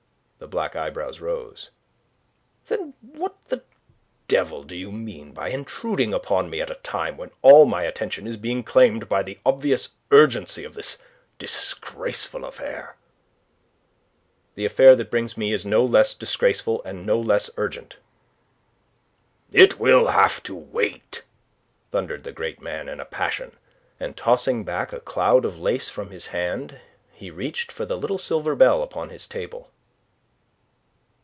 The black eyebrows rose. "Then what the devil do you mean by intruding upon me at a time when all my attention is being claimed by the obvious urgency of this disgraceful affair?" "The affair that brings me is no less disgraceful and no less urgent." "It will have to wait!" thundered the great man in a passion, and tossing back a cloud of lace from his hand, he reached for the little silver bell upon his table.